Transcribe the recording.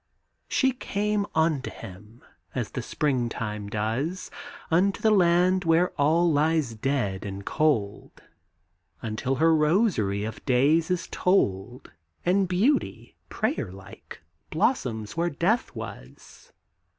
She came unto him as the springtime does Unto the land where all lies dead and cold, Until her rosary of days is told And beauty, prayer like, blossoms where death was.